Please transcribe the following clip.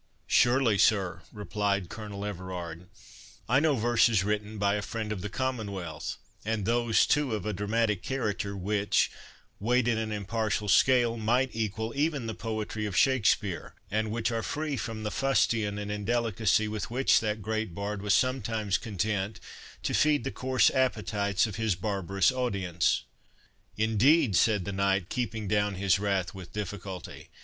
"Surely, sir," replied Colonel Everard; "I know verses written by a friend of the Commonwealth, and those, too, of a dramatic character, which, weighed in an impartial scale, might equal even the poetry of Shakspeare, and which are free from the fustian and indelicacy with which that great bard was sometimes content to feed the coarse appetites of his barbarous audience." "Indeed!" said the knight, keeping down his wrath with difficulty.